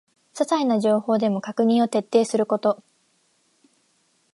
ささいな情報でも確認を徹底すること